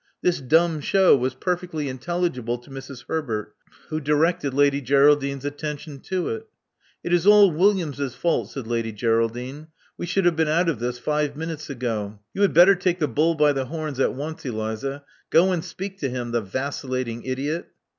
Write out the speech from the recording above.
This dumb show was perfectly intelligible to Mrs. Herbert, who directed Lady Geraldine's attention to it. '*It is all Williams's fault," said Lady Geraidine. *'We should have been out of this five minutes ago. You had better take the bull by the horns at once, Eliza. Go and speak to him — the vacillating idiot!"